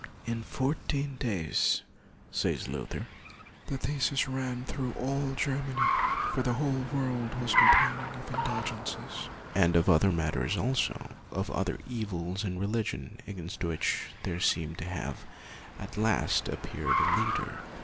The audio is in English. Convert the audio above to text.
" In fourteen days," says Luther, " the theses ran through all Ger many; for the whole world was com plaining of indulgences." And of other matters also; of other evils in religion, against which there seemed to have at last appeared a leader.